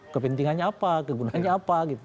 kepentingannya apa kegunanya apa